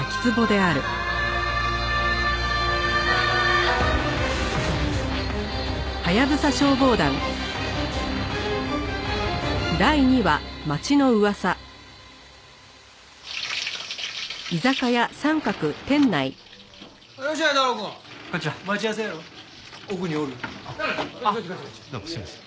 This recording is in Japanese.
あっどうもすいません。